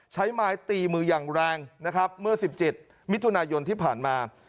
ใช้ไม้ตีมือยังแรงเมื่อ๑๗มิถุนายนที่ผ่านมา